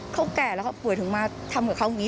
เขาแก่แล้วเขาป่วยถึงมาทำกับเขาอย่างนี้